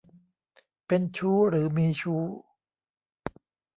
เป็นชู้หรือมีชู้